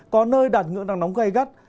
có nơi đạt ngưỡng nắng nóng gây gắt